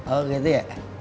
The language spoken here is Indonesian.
oh gitu ya